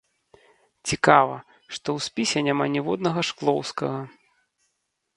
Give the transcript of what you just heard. Цікава, што ў спісе няма ніводнага шклоўскага.